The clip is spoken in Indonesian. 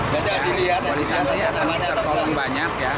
kalau di santri akan terkongsi banyak ya